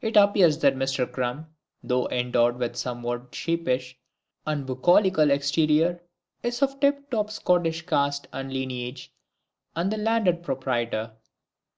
It appears that Mister CRUM, though endowed with a somewhat sheepish and bucolical exterior, is of tip top Scottish caste and lineage, and the landed proprietor.